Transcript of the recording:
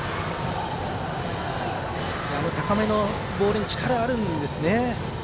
高めのボールに力がありますね。